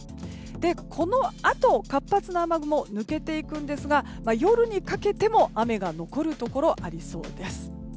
このあと活発な雨雲は抜けていくんですが夜にかけても雨が残るところありそうです。